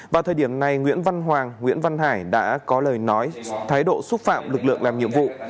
vào thời điểm này nguyễn văn hoàng nguyễn văn hải đã có lời nói thái độ xúc phạm lực lượng làm nhiệm vụ